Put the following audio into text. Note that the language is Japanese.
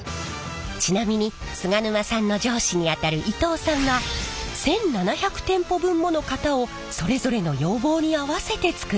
ちなみに菅沼さんの上司にあたる伊藤さんは１，７００店舗分もの型をそれぞれの要望に合わせて作ってきました。